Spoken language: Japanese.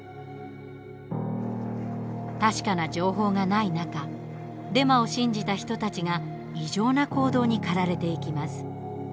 確かな情報がない中デマを信じた人たちが異常な行動に駆られていきます。